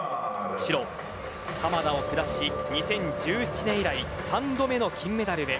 白、濱田を下し２０１７年以来３度目の金メダルへ。